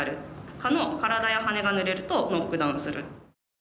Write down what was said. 蚊の体や羽がぬれるとノックダウンする。